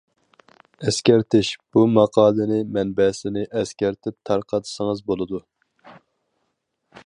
ئەسكەرتىش: بۇ ماقالىنى مەنبەسىنى ئەسكەرتىپ تارقاتسىڭىز بولىدۇ.